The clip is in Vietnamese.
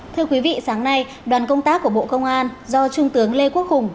thưa quý vị sáng nay đoàn công tác của bộ công an do trung tướng lê quốc hùng